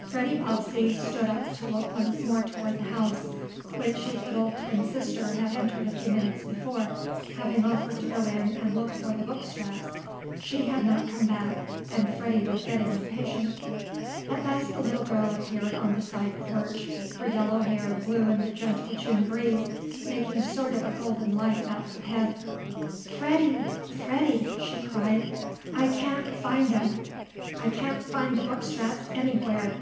Freddie Bobbsey stood up to look once more toward the house, which his little twin sister had entered a few minutes before, having offered to go in and look for the book straps. She had not come back, and Freddie was getting Impatient. At last the little girl appeared on the side porch. Her yellow hair blew in the gentle June breeze, making sort of a golden light about her head. "Freddie! Freddie!" she cried. "I can't find 'em! I can't find the book straps anywhere!"